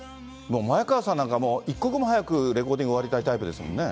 前川さんなんか、もう、一刻も早くレコーディング終わりたいタイプですもんね。